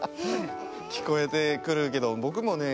きこえてくるけどぼくもね